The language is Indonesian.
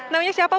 namanya siapa bu